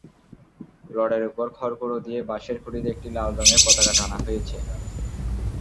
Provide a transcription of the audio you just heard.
রডের ওপর খড়কুটো দিয়ে বাঁশের খুঁটিতে একটি লাল রঙের পতাকা টানা হয়েছে।